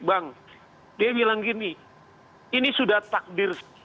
bang dia bilang gini ini sudah takdir